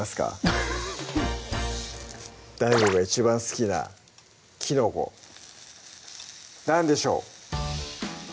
フフフッＤＡＩＧＯが一番好きなきのこ何でしょう？